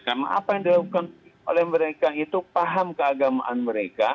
karena apa yang dilakukan oleh mereka itu paham keagamaan mereka